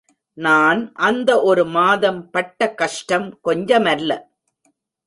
நான் அந்த ஒரு மாதம் பட்ட கஷ்டம் கொஞ்சமல்ல.